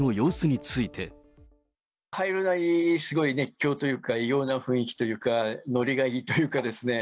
入るなり、すごい熱狂というか、異様な雰囲気というか、乗りがいいというかですね、